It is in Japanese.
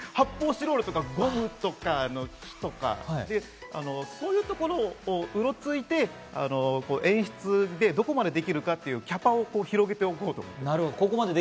発泡スチロールとか、ゴムとか、木とか、そういうところをうろついて演出でどこまでできるか、キャパを広げておこうと。